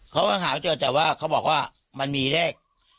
เขาก็หาไม่เจอแต่ว่าเขาบอกว่ามันมีเลข